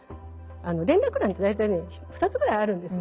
連絡欄って大体ね２つぐらいあるんですよ。